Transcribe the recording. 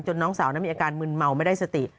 น้องสาวนั้นมีอาการมึนเมาไม่ได้สติ